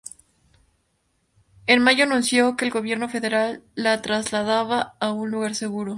En mayo anunció que el gobierno federal la trasladaba "a un lugar seguro".